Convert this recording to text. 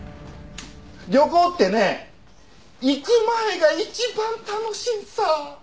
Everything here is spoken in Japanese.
旅行ってね行く前が一番楽シーサー。